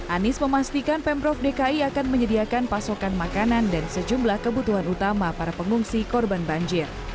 anies memastikan pemprov dki akan menyediakan pasokan makanan dan sejumlah kebutuhan utama para pengungsi korban banjir